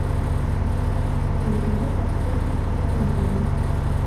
Kể từ lúc gặp quân khi đầu tối